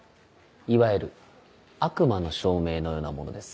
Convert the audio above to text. いわゆる「悪魔の証明」のようなものです。